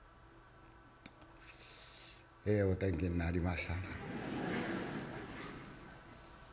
「ええお天気になりましたな」。